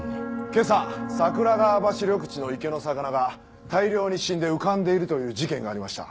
今朝桜川橋緑地の池の魚が大量に死んで浮かんでいるという事件がありました。